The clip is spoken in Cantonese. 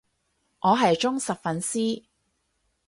我係忠實粉絲